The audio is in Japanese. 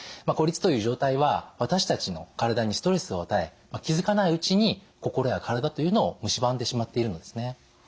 孤立という状態は私たちの体にストレスを与え気づかないうちに心や体というのをむしばんでしまっているのですね。